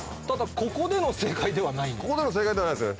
ここでの正解ではないですね。